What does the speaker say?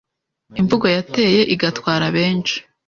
Imvugo yateye igatwara benshi